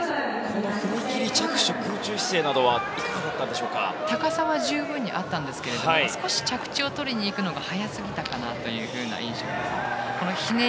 この踏切姿勢空中姿勢などは高さは十分にあったんですけども少し着地を取りにいくのが早すぎたかなという印象ですね。